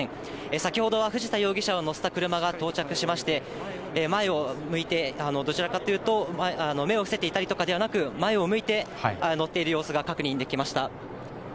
先ほどは藤田容疑者を乗せた車が到着しまして、前を向いて、どちらかというと、目を伏せていたりとかではなく、前を向いて乗っている様子が確認できました。